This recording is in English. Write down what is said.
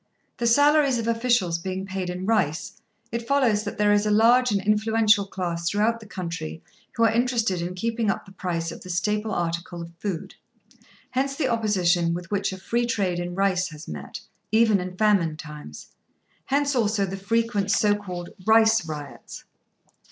The salaries of officials being paid in rice, it follows that there is a large and influential class throughout the country who are interested in keeping up the price of the staple article of food. Hence the opposition with which a free trade in rice has met, even in famine times. Hence also the frequent so called "Rice Riots."